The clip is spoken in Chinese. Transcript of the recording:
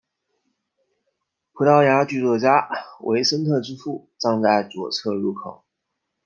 葡萄牙剧作家维森特之父葬在左侧入口。